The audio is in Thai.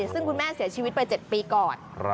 ซึ่งคุณแม่เสียชีวิตไป๗ปีก่อน